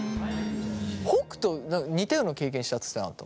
北斗似たような経験したっつってなかった？